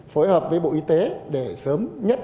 phối hợp với bộ y tế để sớm nhất